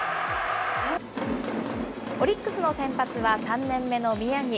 オリックスの先発は３年目の宮城。